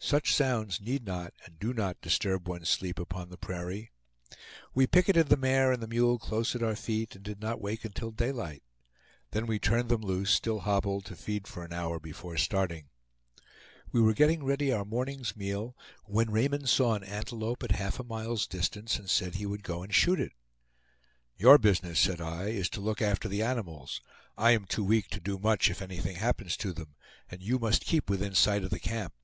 Such sounds need not and do not disturb one's sleep upon the prairie. We picketed the mare and the mule close at our feet, and did not wake until daylight. Then we turned them loose, still hobbled, to feed for an hour before starting. We were getting ready our morning's meal, when Raymond saw an antelope at half a mile's distance, and said he would go and shoot it. "Your business," said. I, "is to look after the animals. I am too weak to do much, if anything happens to them, and you must keep within sight of the camp."